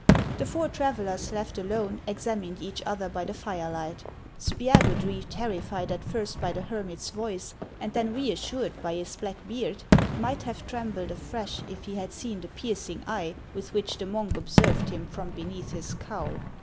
The four travellers, left alone, examined each other by the firelight. Spiagudry, terrified at first by the hermit's voice, and then reassured by his black beard, might have trembled afresh if he had seen the piercing eye with which the monk observed him from beneath his cowl.